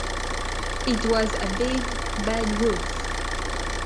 It was a big, bad wolf.